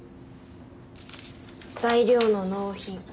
材料の納品